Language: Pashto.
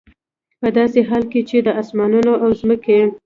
په داسي حال كي چي د آسمانونو او زمكي